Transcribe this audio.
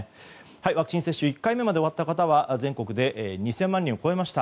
ワクチン接種１回目まで終わった方は全国で２０００万人を超えました。